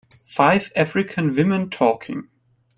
Five African women talking